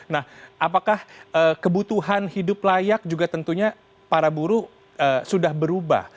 nah apakah kebutuhan hidup layak juga tentunya para buruh sudah berubah